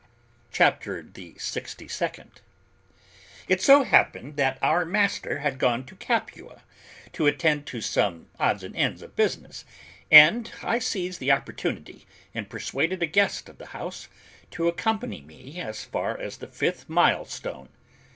CHAPTER THE SIXTY SECOND. "It so happened that our master had gone to Capua to attend to some odds and ends of business and I seized the opportunity, and persuaded a guest of the house to accompany me as far as the fifth mile stone.